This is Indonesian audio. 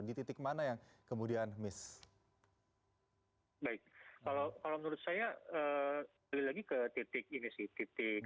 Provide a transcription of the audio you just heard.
di titik mana yang kemudian miss baik kalau menurut saya balik lagi ke titik ini sih titik